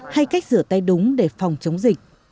hay cách rửa tay đúng để phòng chống dịch